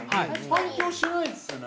反響しないですよね。